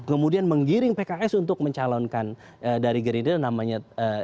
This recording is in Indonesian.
kemudian menggiring pks untuk mencalonkan dari gerindra namanya